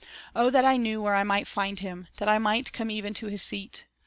"" O that I knew where I might find Him, That I might come even to His seat